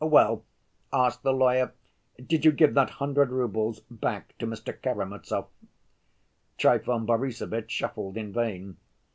"Well," asked the lawyer, "did you give that hundred roubles back to Mr. Karamazov?" Trifon Borissovitch shuffled in vain....